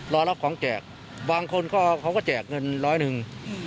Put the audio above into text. รอรับของแจกบางคนเขาก็แจกเงินร้อยหนึ่ง